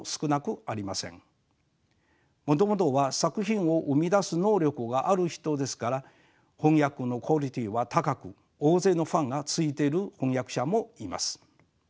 もともとは作品を生み出す能力がある人ですから翻訳のクオリティーは高く大勢のファンがついている翻訳者もいます。